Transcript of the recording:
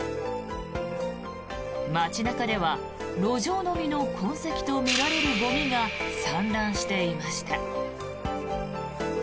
街中では路上飲みの痕跡とみられるゴミが散乱していました。